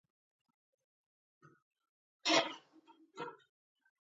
ماټ کور ماغزه د تیږی، بی فرهنگه بی ادبه